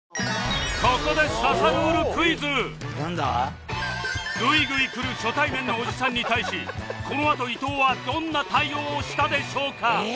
ここでグイグイくる初対面のおじさんに対しこのあと伊藤はどんな対応をしたでしょうか？